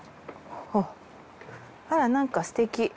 おっあらなんかすてき。